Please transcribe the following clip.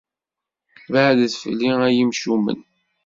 Beɛdet fell-i, ay imcumen.